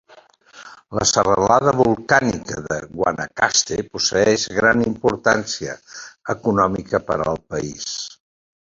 La serralada volcànica de Guanacaste posseeix gran importància econòmica per al país.